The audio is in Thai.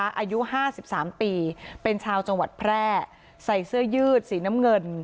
อายุห้าสิบสามปีเป็นชาวจังหวัดแพร่ใส่เสื้อยืดสีน้ำเงิน